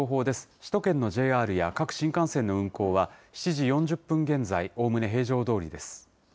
首都圏のＪＲや、各新幹線の運行は７時４０分現在、おおむね平常どおりです。